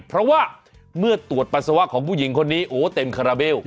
เพราะว่าเมื่อตรวจปัสสาวะของผู้หญิงคนนี้โอ้เต็มคาราเบล